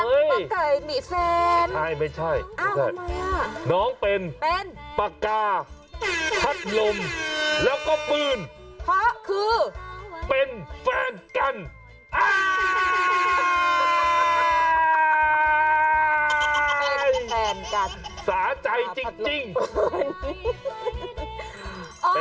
เกลียดบรรยากาศหน่อยรูปนี้คุณผู้ชม